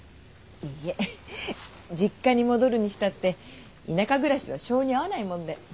いいえ実家に戻るにしたって田舎暮らしは性に合わないもんで。